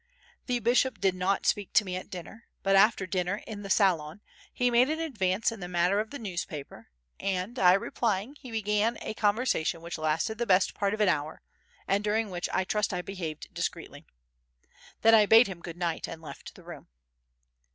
The bishop did not speak to me at dinner, but after dinner, in the salon, he made an advance in the matter of the newspaper and, I replying, he began a conversation which lasted the best part of an hour, and during which I trust I behaved discreetly. Then I bade him "Good night" and left the room.